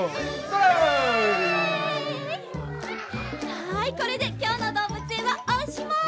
はいこれできょうのどうぶつえんはおしまい。